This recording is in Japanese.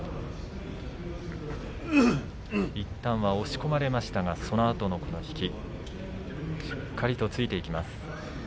いったんは押し込まれましたが、そのあとの引きしっかりとついていきます。